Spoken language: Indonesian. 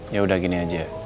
ya udah gini aja